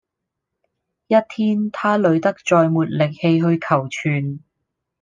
一天他累得再沒力氣去求存